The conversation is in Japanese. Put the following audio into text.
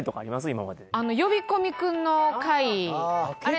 今まで呼び込み君の回あれ・